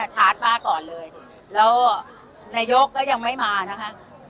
ชาร์จป้าก่อนเลยแล้วนายกก็ยังไม่มานะคะ